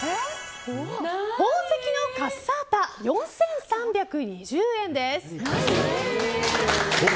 宝石のカッサータ４３２０円です。